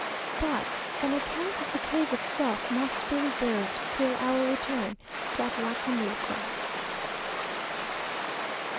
But an account of the cave itself must be reserved till our return to Atlacamulco.